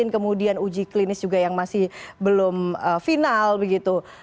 kemudian uji klinis juga yang masih belum final begitu